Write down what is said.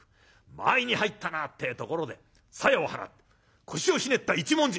間合いに入ったなってえところでさやを払って腰をひねった一文字。